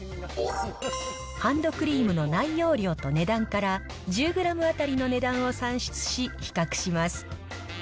ハンドクリームの内容量と値段から、１０グラム当たりの値段を算出し、比較します。